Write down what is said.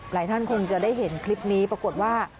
ท่านคงจะได้เห็นคลิปนี้ปรากฏว่า